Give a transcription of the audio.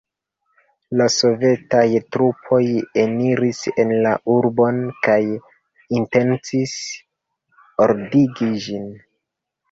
La sovetaj trupoj eniris en la urbon kaj intencis ordigi ĝin.